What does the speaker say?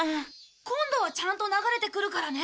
今度はちゃんと流れてくるからね。